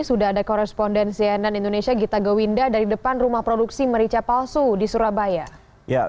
sudah ada korespondensi ann indonesia gita gawinda dari depan rumah produksi merica palsu di surabaya